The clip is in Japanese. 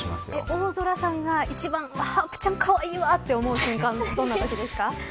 大空さんが一番ハープちゃんかわいいわと思う瞬間どんなときですか。